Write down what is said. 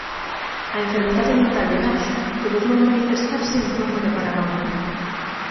A enfermidade mental de Nash comezou a manifestarse en forma de paranoia.